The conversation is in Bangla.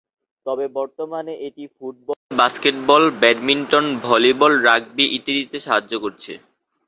তবে বর্তমানে এটি football, basketball, badminton, volleyball, rugby ইত্যাদিতে সাহায্য করছে।